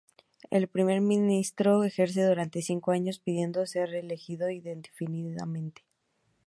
El primer ministro ejerce durante cinco años pudiendo ser reelegido indefinidamente.